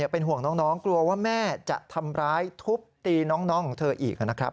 เป็นห่วงน้องกลัวว่าแม่จะทำร้ายทุบตีน้องของเธออีกนะครับ